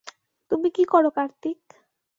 তুমি কী করো কার্তিক?